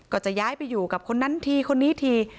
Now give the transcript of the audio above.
ก็จะย้ายไปอยู่กับคนนั้นทีคนนี้ที